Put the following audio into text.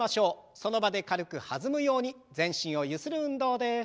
その場で軽く弾むように全身をゆする運動です。